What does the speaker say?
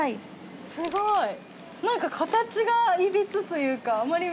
すごい何か形がいびつというかあまり。